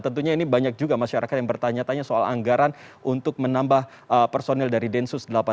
tentunya ini banyak juga masyarakat yang bertanya tanya soal anggaran untuk menambah personil dari densus delapan puluh delapan